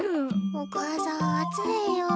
お母さん暑いよ。